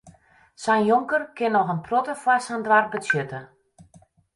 Sa'n jonker kin noch in protte foar sa'n doarp betsjutte.